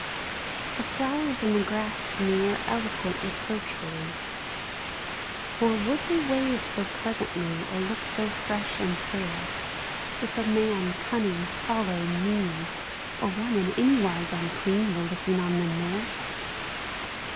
The flowers and the grass to me Are eloquent reproachfully; For would they wave so pleasantly Or look so fresh and fair, If a man, cunning, hollow, mean, Or one in anywise unclean, Were looking on them there?